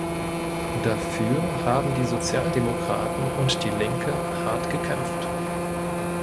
Dafür haben die Sozialdemokraten und die Linke hart gekämpft.